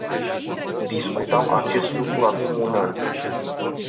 Discutam acest lucru acum un an.